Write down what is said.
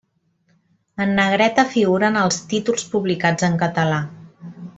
En negreta figuren els títols publicats en català.